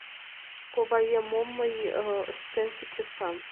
— Коваем, мом мый ыштенже кертам?